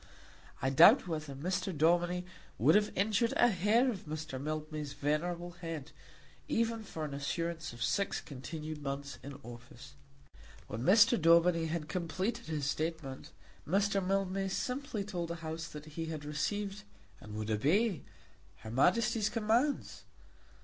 I doubt whether Mr. Daubeny would have injured a hair of Mr. Mildmay's venerable head, even for an assurance of six continued months in office. When Mr. Daubeny had completed his statement, Mr. Mildmay simply told the House that he had received and would obey her Majesty's commands.